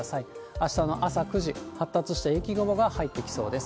あしたの朝９時、発達した雪雲が入ってきそうです。